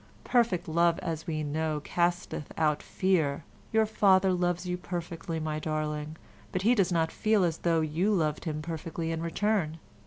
Perfect love, as we know, casteth out fear: your father loves you perfectly, my darling, but he does not feel as though you loved him perfectly in return.